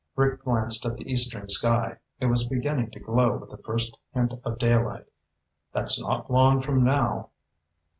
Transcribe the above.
Rick glanced at the eastern sky. It was beginning to glow with the first hint of daylight. "That's not long from now."